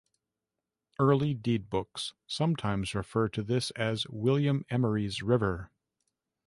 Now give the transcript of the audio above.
Early deed books sometimes refer to this as "William Emeries River".